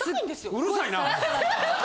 うるさいな！